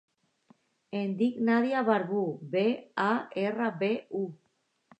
Em dic Nàdia Barbu: be, a, erra, be, u.